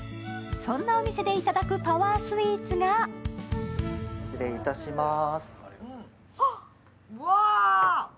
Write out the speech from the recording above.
そんなお店で頂くパワースイーツが失礼いたします。